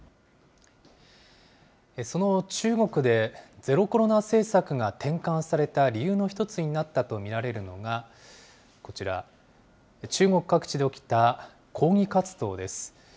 その中国で、ゼロコロナ政策が転換された理由の一つになったと見られるのが、こちら、中国各地で起きた抗議活動です。